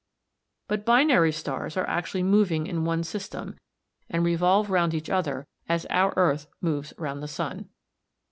But "binary" stars are actually moving in one system, and revolve round each other as our earth moves round the sun.